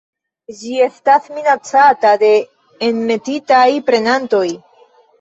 Ĝi estas minacata de enmetitaj predantoj.